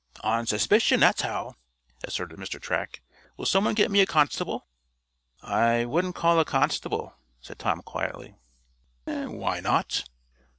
"On suspicion; that's how!" asserted Mr. Track. "Will some one get me a constable?" "I wouldn't call a constable," said Tom, quietly. "Why not?"